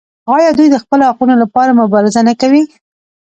آیا دوی د خپلو حقونو لپاره مبارزه نه کوي؟